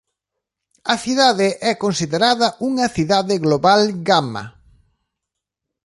A cidade é considerada unha cidade global gama.